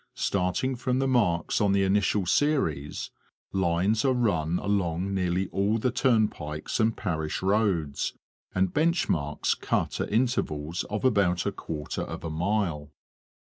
Starting from the marks on the initial series, lines are run along nearly all the turnpikes and parish roads, and bench marks cut at intervals of about a quarter of a mile.